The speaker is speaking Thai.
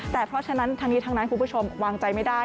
แต่เพราะฉะนั้นทั้งนี้ทั้งนั้นคุณผู้ชมวางใจไม่ได้